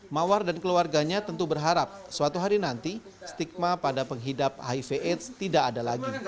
mawar dan keluarganya tentu berharap suatu hari nanti stigma pada penghidap hiv aids tidak ada lagi